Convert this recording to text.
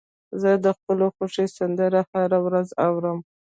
زه د خپلو خوښې سندرې هره ورځ اورم.